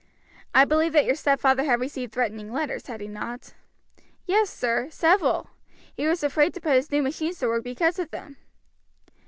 "I believe that your stepfather had received threatening letters, had he not?" "Yes, sir, several; he was afraid to put his new machines to work because of them."